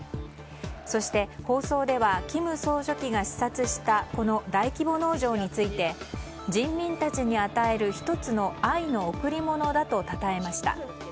そして、放送では金総書記が視察したこの大規模農場について人民たちに与える１つの愛の贈り物だと称えました。